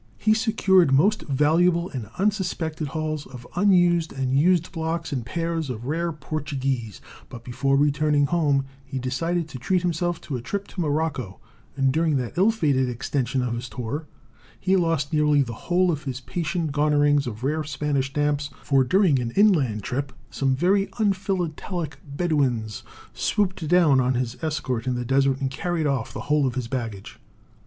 He secured most valuable and unsuspected hauls of unused and used blocks and pairs of rare Portuguese; but before returning home he decided to treat himself to a trip to Morocco, and during that ill fated extension of his tour he lost nearly the whole of his patient garnerings of rare Spanish stamps, for during an inland trip some very unphilatelic Bedouins swooped down on his escort in the desert and carried off the whole of his baggage.